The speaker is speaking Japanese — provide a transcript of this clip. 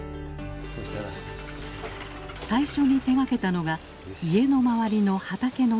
最初に手がけたのが家の周りの畑の整備でした。